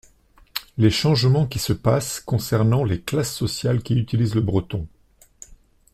Les changements qui se passent concernant les classes sociales qui utilisent le breton.